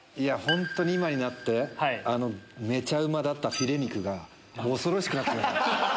今になってめちゃうまだったフィレ肉が恐ろしくなって来ました。